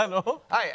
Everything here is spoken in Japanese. はい。